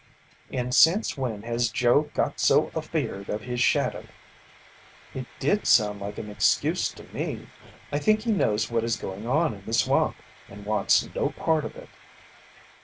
"And since when has Joe got so a feared of his shadow?" "It did sound like an excuse to me. I think he knows what is going on in the swamp, and wants no part of it."